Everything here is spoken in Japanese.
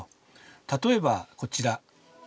例えばこちら。